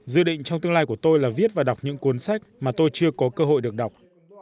dự định trong tương lai của tôi là viết và đọc những cuốn sách mà tôi chưa có cơ hội được đọc